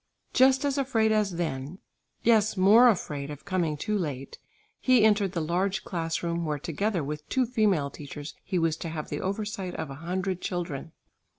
Just as afraid as then, yes, more afraid of coming too late he entered the large class room, where together with two female teachers he was to have the oversight of a hundred children.